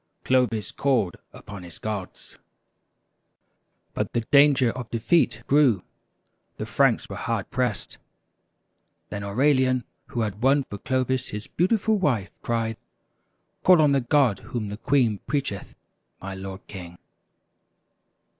Clovis called upon his gods. But the danger of defeat grew the Franks were hard pressed. Then Aurelian, who had won for Clovis his beautiful wife, cried :" Call on the God whom the queen preacheth, my lord King!"